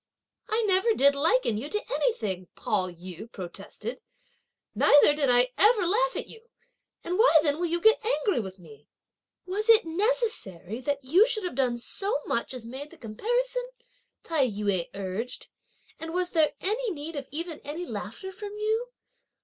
"I never did liken you to anything," Pao yü protested, "neither did I ever laugh at you! and why then will you get angry with me?" "Was it necessary that you should have done so much as made the comparison," Tai yü urged, "and was there any need of even any laughter from you?